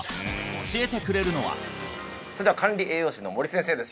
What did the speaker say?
教えてくれるのはそれでは管理栄養士の森先生です